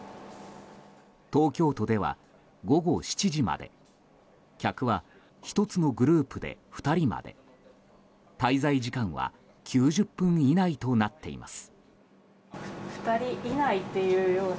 東京都では、午後７時まで客は１つのグループで２人まで滞在時間は９０分以内となっています。